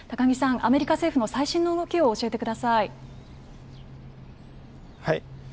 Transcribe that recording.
木さんアメリカ政府の最新の動きを教えてください。